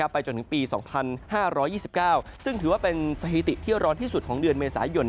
ไปจนถึงปี๒๕๒๙ซึ่งถือว่าเป็นสถิติที่ร้อนที่สุดของเดือนเมษายน